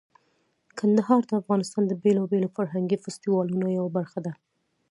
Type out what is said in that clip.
کندهار د افغانستان د بیلابیلو فرهنګي فستیوالونو یوه برخه ده.